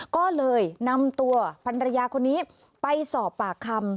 ก็เลยนำตัวพันรยาคนนี้ไปสอบปากคำ